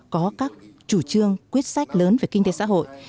có các chủ trương quyết sách lớn về kinh tế xã hội